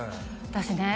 私ね